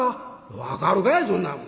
「分かるかいそんなもん。